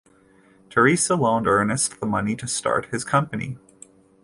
Teresa loaned Ernest the money to start his company.